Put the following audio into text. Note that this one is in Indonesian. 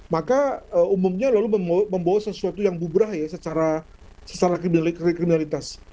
maka umumnya lalu membawa sesuatu yang bubrahi secara kriminalitas